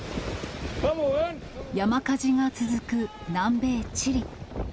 山火事が続く南米チリ。